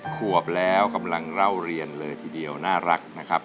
ขวบแล้วกำลังเล่าเรียนเลยทีเดียวน่ารักนะครับ